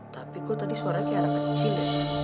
tapi kok tadi suara kiara kecil